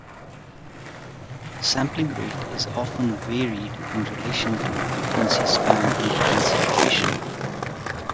Sampling rate is often varied in relation to the frequency span under consideration.